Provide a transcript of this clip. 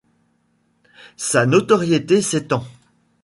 Sa notoriété s’étend.